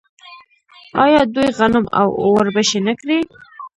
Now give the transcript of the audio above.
آیا دوی غنم او وربشې نه کري؟